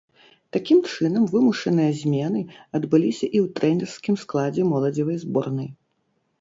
Такім чынам, вымушаныя змены адбыліся і ў трэнерскім складзе моладзевай зборнай.